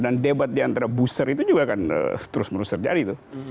dan debat diantara booster itu juga akan terus menerus terjadi tuh